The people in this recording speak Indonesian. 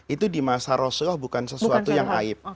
itu di masa rasulullah bukan sesuatu yang aib